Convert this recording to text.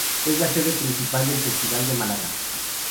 Es la sede principal del Festival de Málaga.